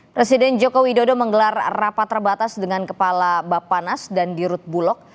presiden joko widodo menggelar rapat terbatas dengan kepala bapak nas dan dirut bulog